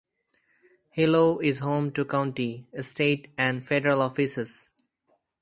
Hilo is home to county, state, and federal offices.